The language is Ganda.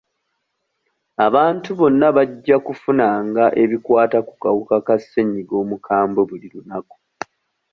Abantu bonna bajja kufunanga ebikwata ku kawuka ka ssennyiga omukambwe buli lunaku.